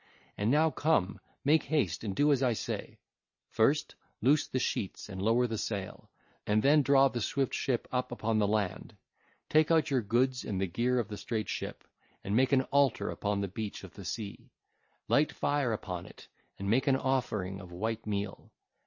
And now come, make haste and do as I say. First loose the sheets and lower the sail, and then draw the swift ship up upon the land. Take out your goods and the gear of the straight ship, and make an altar upon the beach of the sea: light fire upon it and make an offering of white meal.